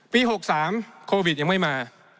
๖๓โควิดยังไม่มา